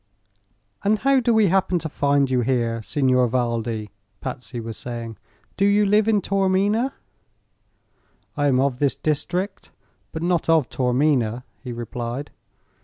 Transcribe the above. "And how do we happen to find you here, Signor Valdi?" Patsy was saying. "Do you live in Taormina?" "I am of this district, but not of Taormina," he replied.